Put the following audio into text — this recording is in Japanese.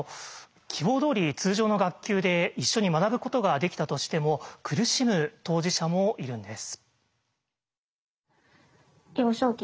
希望どおり通常の学級で一緒に学ぶことができたとしても苦しむ当事者もいるんです。